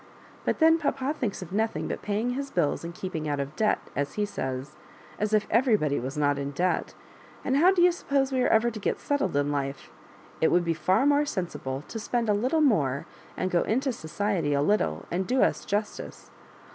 But then papa thinks of nothing but paying his bills and keeping out of debt, as he says, — as if everybody was not in debt ; and how do you suppose we are ever to get settled in life ? It would be far more sensible to spend a little more, and go into society a little, and do us justice.